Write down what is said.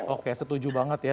oke setuju banget ya